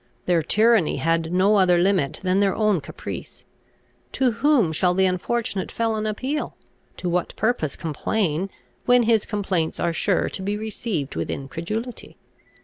Their tyranny had no other limit than their own caprice. To whom shall the unfortunate felon appeal? To what purpose complain, when his complaints are sure to be received with incredulity?